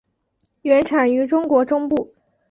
原产于中国中部。